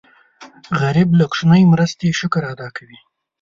غریب له کوچنۍ مرستې شکر ادا کوي